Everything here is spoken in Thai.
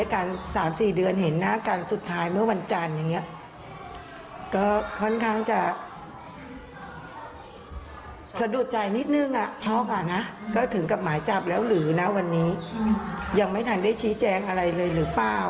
ก็ถึงกับหมายจับแล้วหรือนะวันนี้ยังไม่ทันได้ชี้แจงอะไรเลยหรือเปล่า